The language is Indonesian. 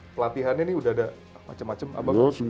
pelatihannya ini udah ada macam macam abang